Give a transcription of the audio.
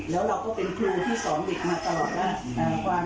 แล้วเราก็เป็นครูที่สอนเด็กมาตลอดแล้ว